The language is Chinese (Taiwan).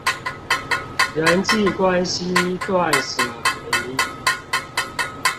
人際關係斷捨離